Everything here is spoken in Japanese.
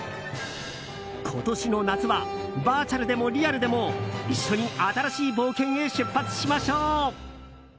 今年の夏はバーチャルもリアルでも一緒に新しい冒険へ出発しましょう！